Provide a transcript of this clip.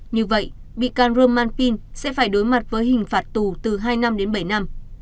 như vậy bị can roman pin sẽ phải đối mặt với hình phạt tù từ hai năm đến bảy năm